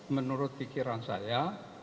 menurut pikiran saya